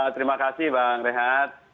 terima kasih bang renhad